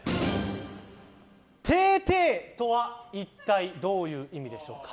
てぇてぇとは一体どういう意味でしょうか。